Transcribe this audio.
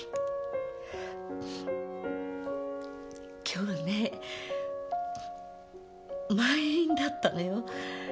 今日ね満員だったのよ。